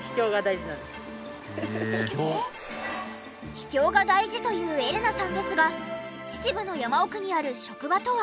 「秘境が大事」と言うエレナさんですが秩父の山奥にある職場とは？